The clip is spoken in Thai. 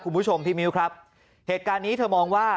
คุณผู้ชมพี่มิ้วครับเหตุการณ์นี้เธอมองว่า